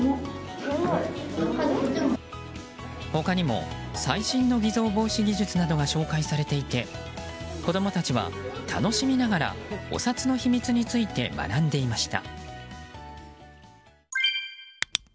他にも最新の偽造防止技術などが紹介されていて子供たちは楽しみながらお札の秘密について学んでいました。